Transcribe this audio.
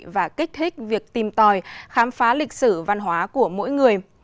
và kích thích việc tìm tòi khám phá lịch sử văn hóa của mỗi người